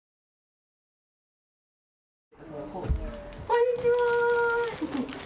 こんにちは。